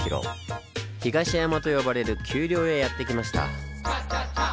東山と呼ばれる丘陵へやって来ました。